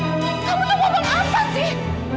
kok nyambuknya sampai situ